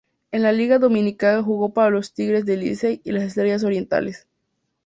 En la Liga Dominicana jugó para los Tigres del Licey y las Estrellas Orientales.